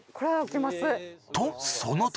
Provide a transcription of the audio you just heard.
とその時！